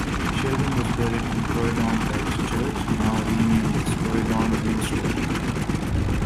Sheldon was buried in Croydon Parish Church, now renamed as Croydon Minster.